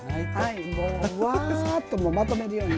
もう、わーっとまとめるように。